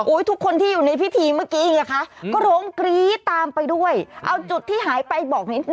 โอ๊ยทุกคนที่อยู่ในพิธีเมื่อกี้เนี่ยคะ